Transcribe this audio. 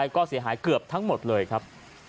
ก็เสียหายเกือบทั้งหมดเลยครับ